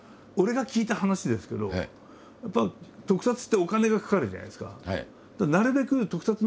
俺が聞いた話ですけどやっぱ特撮ってお金がかかるじゃないですか。